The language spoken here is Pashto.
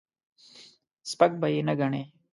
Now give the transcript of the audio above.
سپک به یې نه ګڼې.